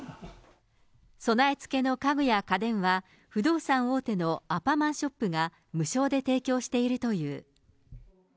備え付けの家具や家電は、不動産大手のアパマンショップが無償で提供しているという。